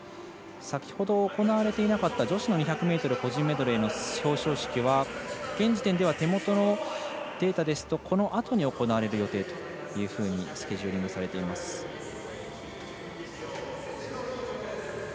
先ほど行われていなかった女子２００ｍ個人メドレーの表彰式は現時点では、手元のデータですとこのあとに行われる予定というふうにスケジューリングされています。